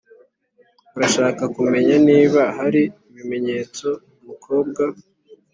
urashaka kumenya niba hari ibimenyetso umukobwa